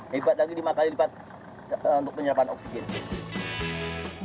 hebat lagi lima kali lipat untuk penyerapan oksigen